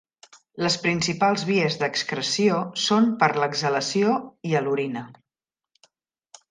Les principals vies d'excreció són per exhalació i a l'orina.